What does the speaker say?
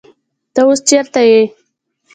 تۀ اوس چېرته يې ؟